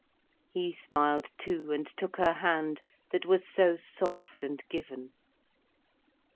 He smiled too, and took her hand, that was so soft and given.